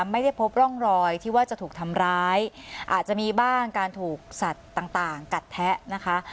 ไม่ได้พบร่องรอยที่ว่าจะถูกทำร้ายอาจจะมีบ้างการถูกสัตว์ต่างกัดแทะนะคะ